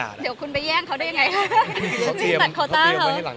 ล่าสุดก็เพิ่งไปมาไม่นาน